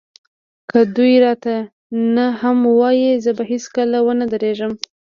که دوی راته نه هم ووايي زه به هېڅکله ونه درېږم.